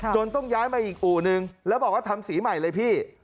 ต้องย้ายมาอีกอู่นึงแล้วบอกว่าทำสีใหม่เลยพี่